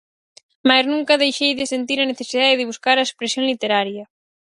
Mais nunca deixei de sentir a necesidade de buscar a expresión literaria.